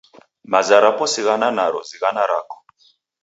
Maza rapo sighana naro zighana rako.